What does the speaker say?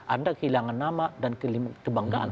anda kehilangan nama dan kebanggaan